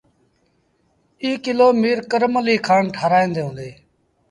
ايٚ ڪلو ميٚر ڪرم اليٚ کآݩ ٺآرآيآݩدي هُݩدي۔